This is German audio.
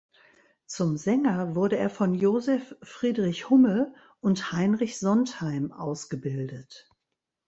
Zum Sänger wurde er von Joseph Friedrich Hummel und Heinrich Sontheim ausgebildet.